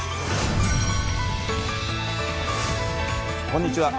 こんにちは。